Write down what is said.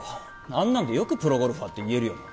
あんなんでよくプロゴルファーって言えるよな